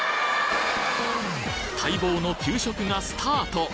待望の給食がスタート！